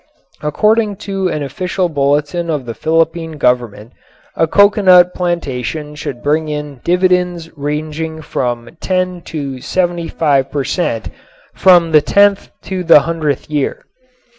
According to an official bulletin of the Philippine Government a coconut plantation should bring in "dividends ranging from 10 to 75 per cent. from the tenth to the hundredth year."